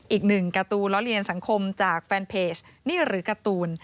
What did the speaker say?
อีกหนึ่งการ์ตูนล้อเลียนสังคมจากแฟนเพจนี่หรือการ์ตูน